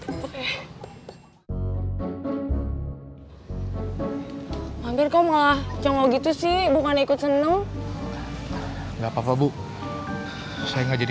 hai manger kau malah janggau gitu sih bukan ikut seneng enggak papa bu saya nggak jadi